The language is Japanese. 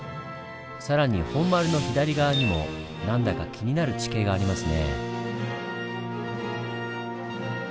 更に本丸の左側にもなんだか気になる地形がありますね。